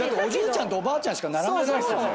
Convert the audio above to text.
ちゃんとおばあちゃんしか並んでないっすよね。